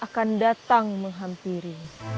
akan datang menghampiri